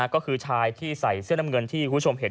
ก็คือชายที่ใส่เสื้อน้ำเงินที่คุณผู้ชมเห็น